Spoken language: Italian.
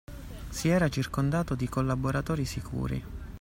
Si era circondato di collaboratori sicuri